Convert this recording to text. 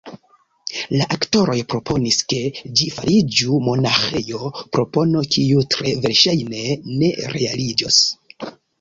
La aktoroj proponis, ke ĝi fariĝu monaĥejo – propono, kiu tre verŝajne ne realiĝos.